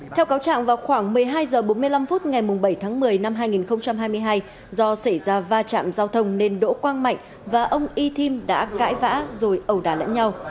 theo cáo trạng vào khoảng một mươi hai h bốn mươi năm phút ngày bảy tháng một mươi năm hai nghìn hai mươi hai do xảy ra va chạm giao thông nên đỗ quang mạnh và ông y thim đã cãi vã rồi ẩu đà lẫn nhau